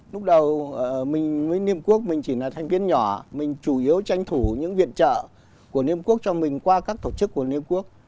lúc đầu mình với liên hiệp quốc mình chỉ là thành viên nhỏ mình chủ yếu tranh thủ những viện trợ của liên hiệp quốc cho mình qua các tổ chức của liên hiệp quốc